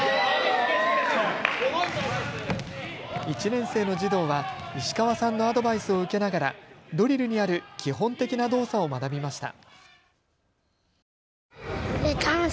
１年生の児童は石川さんのアドバイスを受けながらドリルにある基本的な動作を学びました。